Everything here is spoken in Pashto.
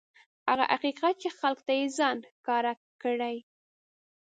هغه حقیقت چې خلکو ته یې ځان ښکاره کړی.